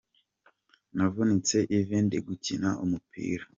Navunitse ivi ndigukina umupira.